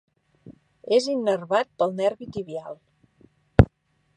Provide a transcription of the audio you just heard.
És innervat pel nervi tibial.